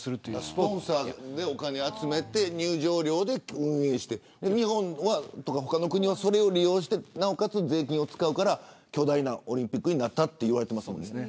スポンサーでお金を集めて入場料で運営して日本や他の国はそれを利用してなおかつ税金を使うから巨大なオリンピックになったと言われていますね。